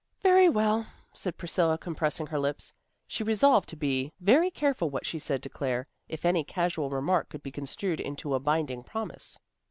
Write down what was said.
"Very well," said Priscilla compressing her lips. She resolved to be very careful what she said to Claire, if any casual remark could be construed into a binding promise.